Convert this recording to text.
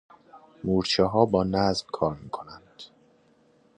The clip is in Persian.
مورچه ها با نظم کار می کنند.